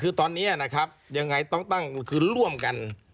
คือตอนนี้นะครับยังไงต้องตั้งคือร่วมกัน